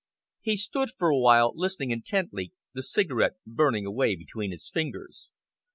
He stood for a while, listening intently, the cigarette burning away between his fingers.